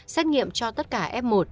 xét nghiệm cho tất cả f một